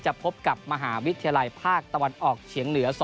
พบกับมหาวิทยาลัยภาคตะวันออกเฉียงเหนือ